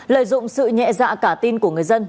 lợi dụng sự nhẹ dạ cả tin của người dân